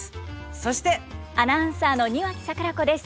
アナウンサーの庭木櫻子です。